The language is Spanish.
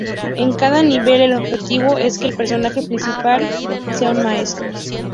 En cada nivel, el objetivo es que el personaje principal, Mr.